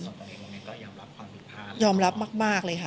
ส่วนตัวเองก็ยอมรับความผิดพลาดหรือเปล่า